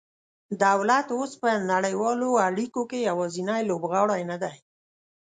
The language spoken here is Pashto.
دولت اوس په نړیوالو اړیکو کې یوازینی لوبغاړی نه دی